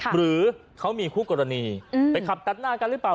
หรือเขามีคู่กรณีไปขับตัดหน้ากันหรือเปล่า